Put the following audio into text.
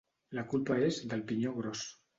La culpa és del pinyó gros.